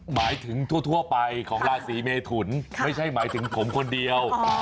หมายถึงทั่วไปของราศีเมทุนไม่ใช่หมายถึงผมคนเดียว